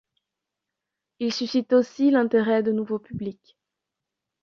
Ils suscitent aussi l’intérêt de nouveaux publics.